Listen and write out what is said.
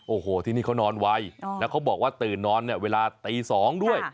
โอ้โหที่นี่เขานอนไวแล้วเขาบอกว่าตื่นนอนเนี่ยเวลาตี๒ด้วย